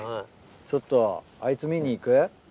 ちょっとあいつ見に行く？